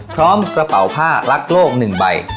พร้อมกระเป๋าผ้าลักโลก๑ใบ